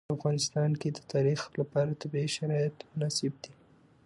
په افغانستان کې د تاریخ لپاره طبیعي شرایط مناسب دي.